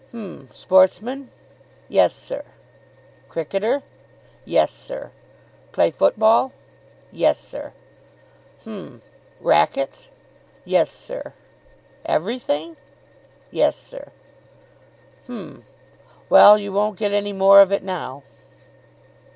"H'm ... Sportsman?" "Yes, sir." "Cricketer?" "Yes, sir." "Play football?" "Yes, sir." "H'm ... Racquets?" "Yes, sir." "Everything?" "Yes, sir." "H'm ... Well, you won't get any more of it now."